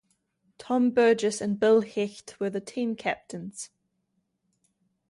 Tom Burgess and Bill Hecht were the team captains.